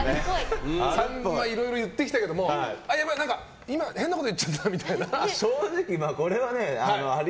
いろいろ言ってきたけど今、変なこと言っちゃったなみたいな。